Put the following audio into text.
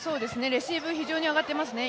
レシーブ非常に上がっていますね。